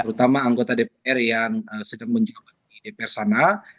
karena anggota dpr yang sedang menjalani dpr sana